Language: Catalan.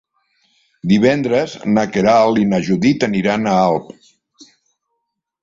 Divendres na Queralt i na Judit aniran a Alp.